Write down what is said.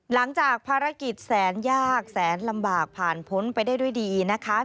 หลังจากภารกิจแสนยากแสนลำบากผ่านพ้นไปได้ด้วยดีนะคะ